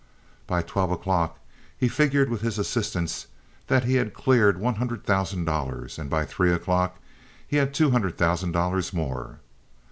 By twelve o'clock he figured with his assistants that he had cleared one hundred thousand dollars; and by three o'clock he had two hundred thousand dollars more.